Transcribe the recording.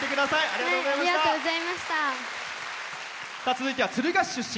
続いては敦賀市出身。